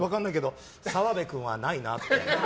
澤部君は、ないなって。